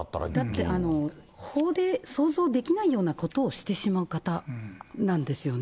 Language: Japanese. だって法で想像できないようなことをしてしまう方なんですよね。